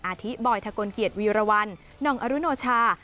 ทิบอยทะกลเกียรติวีรวรรณหน่องอรุโนชา